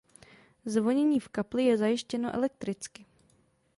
Zvonění v kapli je zajištěno elektricky.